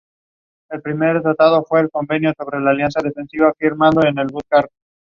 The reniform is obscurely outlined with dark grey.